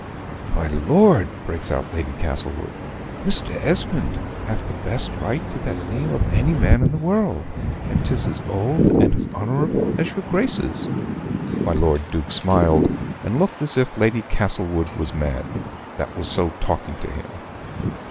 "My lord!" breaks out Lady Castlewood, "Mr. Esmond hath the best right to that name of any man in the world: and 'tis as old and as honorable as your Grace's." My Lord Duke smiled, and looked as if Lady Castlewood was mad, that was so talking to him.